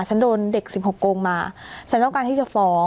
ฉันโดนเด็ก๑๖โกงมาฉันต้องการที่จะฟ้อง